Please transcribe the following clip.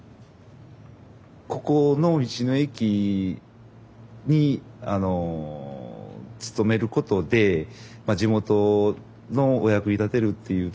ここの道の駅に勤めることで地元のお役に立てるっていうところもありますし